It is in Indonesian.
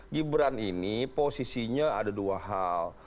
gibran ini posisinya ada dua hal